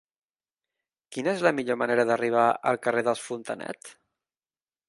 Quina és la millor manera d'arribar al carrer dels Fontanet?